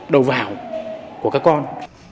đầu vào của các con